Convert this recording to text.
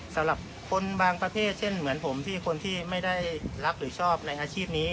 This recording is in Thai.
สำหรับคนบางประเทศเช่นเหมือนผมที่คนที่ไม่ได้รักหรือชอบในอาชีพนี้